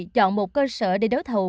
chọn một cơ sở để đối thầu